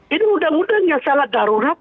ini undang undang yang sangat darurat